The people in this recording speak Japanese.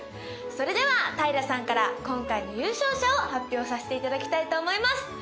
それでは平さんから今回の優勝者を発表させていただきたいと思います。